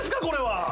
これは。